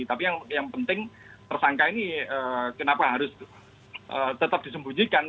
tapi yang penting tersangka ini kenapa harus tetap disembunyikan